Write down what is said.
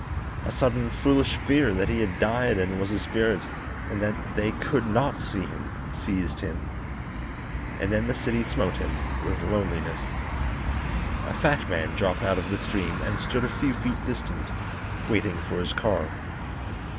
A sudden foolish fear that he had died and was a spirit, and that they could not see him, seized him. And then the city smote him with loneliness. A fat man dropped out of the stream and stood a few feet distant, waiting for his car.